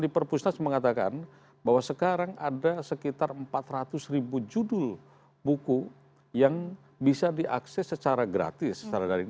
di perpustakas mengatakan bahwa sekarang ada sekitar empat ratus ribu judul buku yang bisa diakses secara gratis secara daring